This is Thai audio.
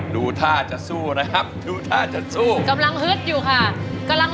ร้องได้ให้ร้าง